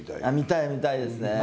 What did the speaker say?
見たい見たいですね。